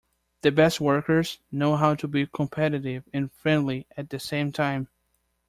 The best workers know how to be competitive and friendly at the same time.